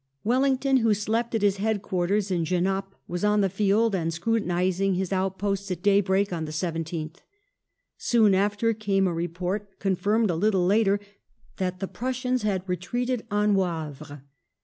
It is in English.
Wellington, who slept at his head quarters in Genappe, was on the field and scrutinising his outposts at day break on the 17th. Soon after came a report, confirmed a little later, that the Prussians had retreated on Wavre.